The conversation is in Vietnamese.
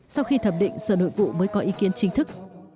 sau khi thẩm định sở nội vụ mới có ý kiến chính thức